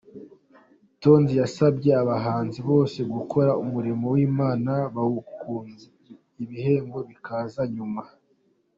Tonzi yasabye abahanzi bose gukora umurimo w'Imana bawukunze, ibihembo bikaza nyuma.